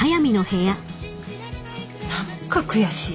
何か悔しい。